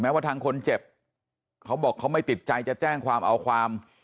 ว่าทางคนเจ็บเขาบอกเขาไม่ติดใจจะแจ้งความเอาความ